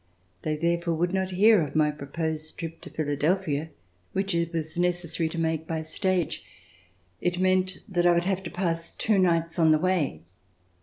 They therefore would not hear of my proposed trip to Philadelphia, which it was necessary to make by stage. It meant that I would have to pass two nights on the way.